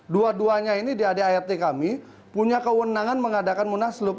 dua duanya ini di adik art kami punya kewenangan mengadakan munaslub